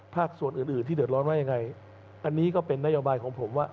ภาคส่วนอื่นที่เดินร้อนไว้ยังไงอันนี้ก็เป็นนโยบายของผมว่า